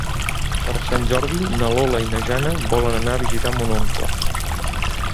Per Sant Jordi na Lola i na Jana volen anar a visitar mon oncle.